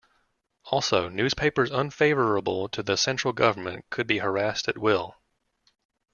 Also, newspapers unfavorable to the central government could be harassed at will.